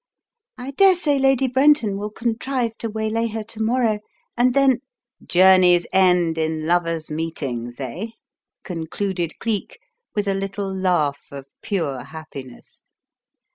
I daresay Lady Brenton will contrive to waylay her to morrow, and then " "Journeys end in lovers' meetings, eh?" concluded Cleek, with a little laugh of pure happiness.